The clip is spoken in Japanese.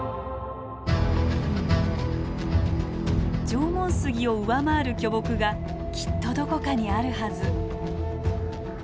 縄文杉を上回る巨木がきっとどこかにあるはず。